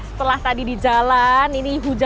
setelah tadi di jalan ini hujan